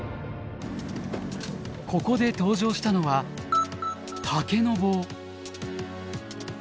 ここで登場したのは竹の棒。